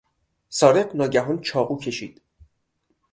سارق ناگهان چاقو کشید.